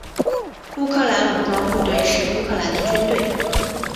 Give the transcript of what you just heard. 乌克兰武装部队是乌克兰的军队。